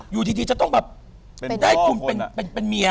อยู่ดีจะต้องแบบมาเก็บให้ขุมเป็นเมีย